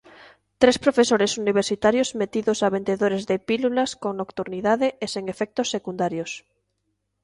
Tres profesores universitarios metidos a vendedores de pílulas con nocturnidade e sen efectos secundarios.